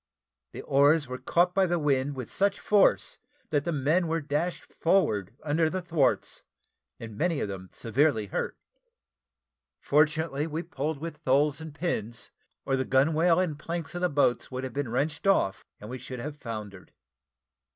The oars were caught by the wind with such force, that the men were dashed forward under the thwarts, many of them severely hurt. Fortunately we pulled with tholes and pins, or the gunwale and planks of the boats would have been wrenched off, and we should have foundered.